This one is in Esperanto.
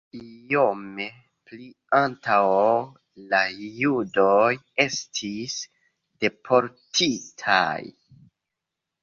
Iom pli antaŭe la judoj estis deportitaj.